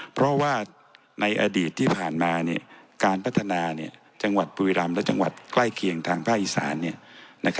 เพราะว่าในอดีตที่ผ่านมาการพัฒนาจังหวัดบุรีรำและจังหวัดใกล้เคียงทางภาคอีสาน